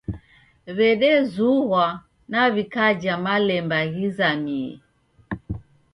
W'edezughwa na w'ikaja malemba ghizamie.